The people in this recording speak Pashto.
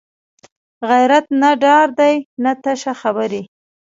غیرت نه ډار دی نه تشه خبرې